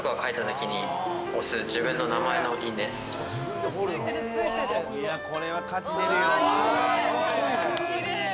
きれい。